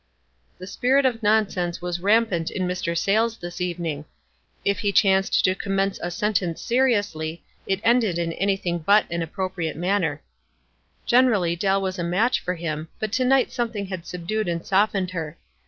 The spirit of nonsense was rampart in Mr. Sayles this evening. If he chanced to com mence a sentence seriously, it ended in anything but an appropriate manner. Generally Dell was a match for him, but to night something had subdued and softened her.